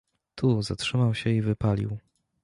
"Tu zatrzymał się i wypalił."